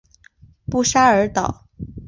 布沙尔岛。